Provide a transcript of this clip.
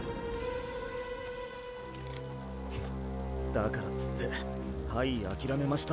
だからっつってハイ諦めました